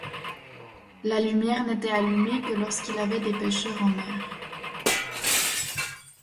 La lumière n'était allumée que lorsqu'il y avait des pêcheurs en mer.